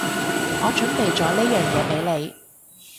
我準備咗呢樣嘢畀你